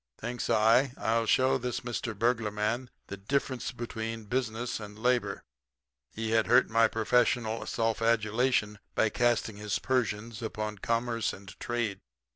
Thinks I, I'll show this Mr. Burglar Man the difference between business and labor. He had hurt some of my professional self adulation by casting his Persians upon commerce and trade.